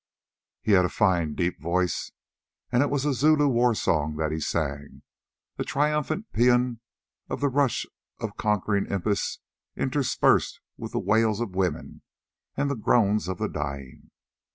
He had a fine deep voice, and it was a Zulu war song that he sang, a triumphant paean of the rush of conquering impis interspersed with the wails of women and the groans of the dying.